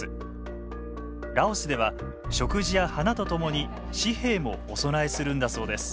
ラオスでは食事や花と共に紙幣もお供えするんだそうです